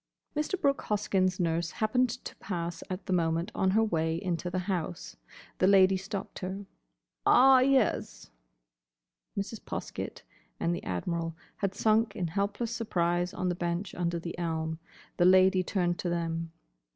Mr. Brooke Hoskyn's nurse happened to pass at the moment on her way into the house. The Lady stopped her. "Ah, yes." Mrs. Poskett and the Admiral had sunk in helpless surprise on the bench under the elm. The Lady turned to them.